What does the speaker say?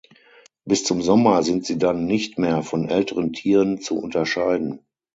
Bis zum Sommer sind sie dann nicht mehr von älteren Tieren zu unterscheiden.